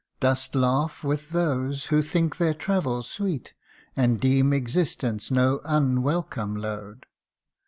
Dost laugh with those who think their travel sweet, And deem existence no unwelcome load